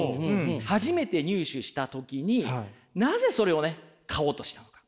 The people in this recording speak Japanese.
初めて入手した時になぜそれをね買おうとしたのか？